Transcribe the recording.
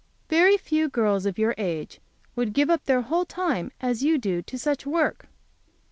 "Very few girls of your age would give up their whole time as you do to such work."